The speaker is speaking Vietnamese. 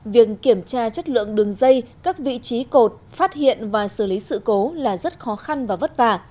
việc kiểm tra chất lượng đường dây các vị trí cột phát hiện và xử lý sự cố là rất khó khăn và vất vả